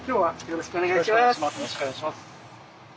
よろしくお願いします。